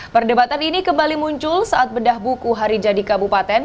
perdebatan ini kembali muncul saat bedah buku hari jadi kabupaten